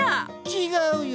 違うよ。